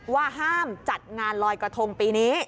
ว่าห้ามจัดงานลอยกระทงปีนี้